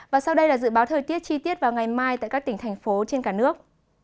và sau đây là dự báo thời tiết chi tiết vào ngày mai tại các tỉnh thành phố trên cả nước